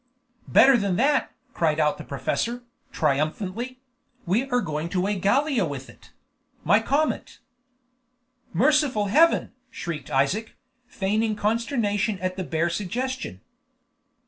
"Better than that!" cried out the professor, triumphantly; "we are going to weigh Gallia with it; my comet." "Merciful Heaven!" shrieked Isaac, feigning consternation at the bare suggestion.